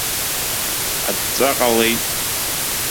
Аҵәҵәа ҟалеит.